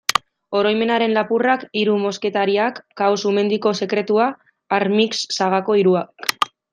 Oroimenaren lapurrak, Hiru mosketariak, Kao-Sumendiko sekretua, Armix sagako hiruak...